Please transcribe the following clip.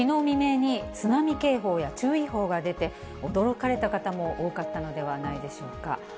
未明に津波警報や注意報が出て、驚かれた方も多かったのではないでしょうか。